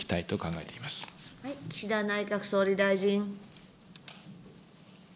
岸田内閣総理大臣。